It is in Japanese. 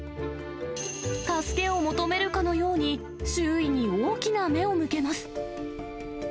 助けを求めるかのように、周囲に大きな目を向けます。